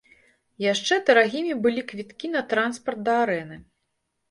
Яшчэ дарагімі былі квіткі на транспарт да арэны.